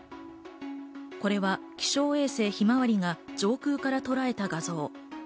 これは気象衛星ひまわりが上空からとらえた画像。